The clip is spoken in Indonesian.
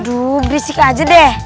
aduh berisik aja deh